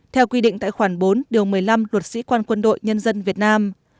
theo quy định tại khoản bốn điều một mươi năm luật sĩ quan quân đội nhân dân việt nam